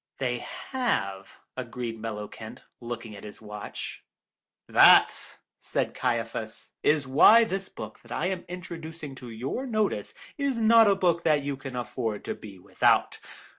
"They have," agreed Mellowkent, looking at his watch. "That," said Caiaphas, "is why this book that I am introducing to your notice is not a book that you can afford to be without.